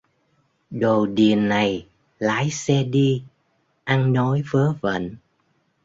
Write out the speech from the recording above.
Đồ điền này lái xe đi ăn nói Vớ vẩn